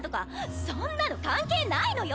そんなの関係ないのよ！